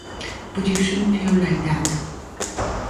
But you shouldn’t feel like that.